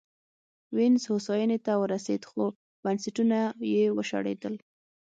وینز هوساینې ته ورسېد خو بنسټونه یې وشړېدل